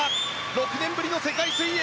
６年ぶりの世界水泳！